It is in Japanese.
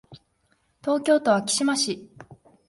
東京都昭島市